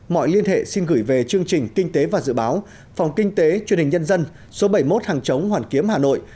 mọi liên hệ xin gửi về chương trình kinh tế và dự báo phòng kinh tế truyền hình nhân dân số bảy mươi một hàng chống hoàn kiếm hà nội